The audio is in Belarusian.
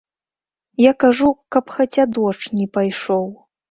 Я кажу, каб хаця дождж не пайшоў.